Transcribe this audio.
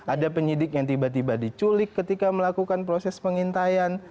ada penyidik yang tiba tiba diculik ketika melakukan proses pengintaian